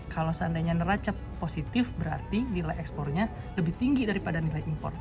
kalau seandainya neraca positif berarti nilai ekspornya lebih tinggi daripada nilai impor